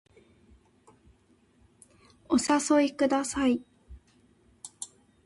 お誘いください